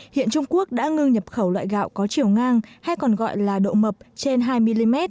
hiện trung quốc đã ngưng nhập khẩu loại gạo có chiều ngang hay còn gọi là độ mập trên hai mm